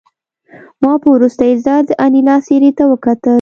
ما په وروستي ځل د انیلا څېرې ته وکتل